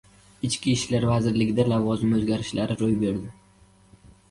Ichki ishlar vazirligida lavozim o‘zgarishlari ro‘y berdi